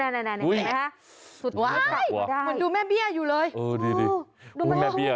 โอ้โฮนี่มันโผ่หัวมาอีกแล้วใช่ค่ะโอ้โฮนี่มันโผ่หัวมาอีกแล้ว